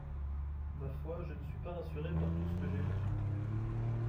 Ma foi, je ne suis pas rassuré par tout ce que j'ai vu.